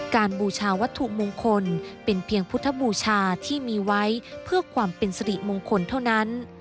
บูชาวัตถุมงคลเป็นเพียงพุทธบูชาที่มีไว้เพื่อความเป็นสริมงคลเท่านั้น